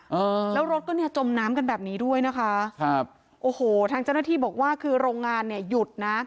เออแล้วรถก็เนี่ยจมน้ำกันแบบนี้ด้วยนะคะครับโอ้โหทางเจ้าหน้าที่บอกว่าคือโรงงานเนี่ยหยุดนะ